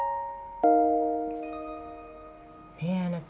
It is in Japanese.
ねえあなた。